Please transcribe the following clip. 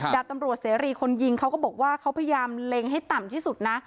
ดาบตำรวจเสรีคนยิงเขาก็บอกว่าเขาพยายามเล็งให้ต่ำที่สุดนะ